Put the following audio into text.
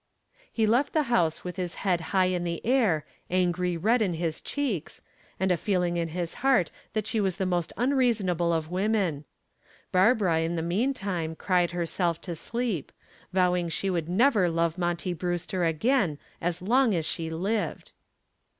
He left the house with his head high in the air, angry red in his cheeks, and a feeling in his heart that she was the most unreasonable of women. Barbara, in the meantime, cried herself to sleep, vowing she would never love Monty Brewster again as long as she lived.